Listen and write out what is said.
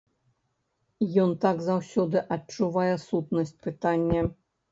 Ён так заўсёды адчувае сутнасць пытання!